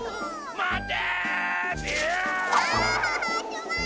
まて！